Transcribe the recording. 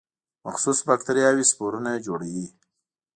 مخصوص باکتریاوې سپورونه جوړوي.